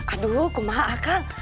aduh aku maaf kang